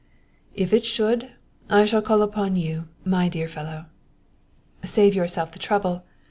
"If it should, I shall call upon you, my dear fellow!" "Save yourself the trouble!